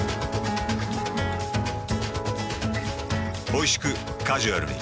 おいしくカジュアルに。